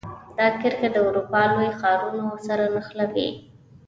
دا کرښې د اروپا لوی ښارونو سره نښلوي.